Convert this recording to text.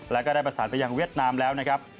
แล้วก็ได้ประสานไปยังเวียดนามแล้วนะครับ